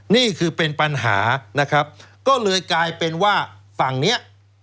นี่คือเป็นปัญหานะครับก็เลยกลายเป็นว่าฝั่งเนี้ย